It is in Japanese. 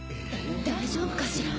大丈夫かしら。